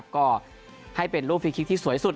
ก็ให้เป็นรูปฟรีคลิกที่สวยสุด